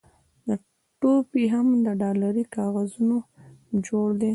ټوپ یې هم له ډالري کاغذونو جوړ دی.